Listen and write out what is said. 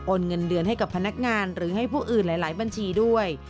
เงินเดือนให้กับพนักงานหรือให้ผู้อื่นหลายบัญชีด้วย